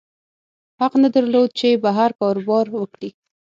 حق نه درلود چې بهر کاروبار وکړي.